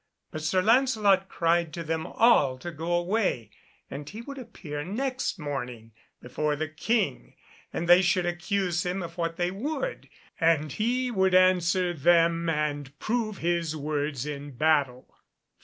But Sir Lancelot cried to them all to go away and he would appear next morning before the King, and they should accuse him of what they would, and he would answer them, and prove his words in battle.